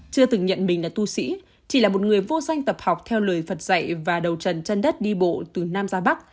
chưa từng nhận mình là tu sĩ chỉ là một người vô danh tập học theo lời phật dạy và đầu trần chân đất đi bộ từ nam ra bắc